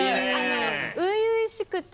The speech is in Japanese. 初々しくて。